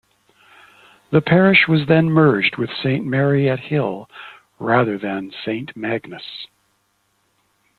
The parish was then merged with Saint Mary at Hill rather than Saint Magnus.